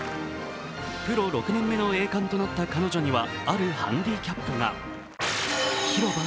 プロ６年目の栄冠となった彼女にはあるハンディキャップが。